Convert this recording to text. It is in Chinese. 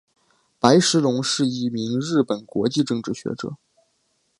白石隆是一名日本国际政治学者。